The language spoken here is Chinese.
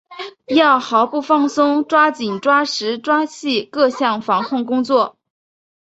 要毫不放松抓紧抓实抓细各项防控工作